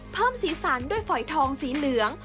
สีสันด้วยฝอยทองสีเหลือง